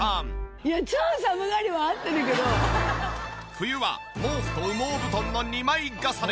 冬は毛布と羽毛布団の２枚重ね。